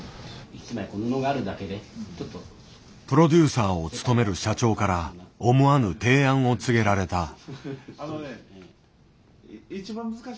プロデューサーを務める社長から思わぬ提案を告げられた。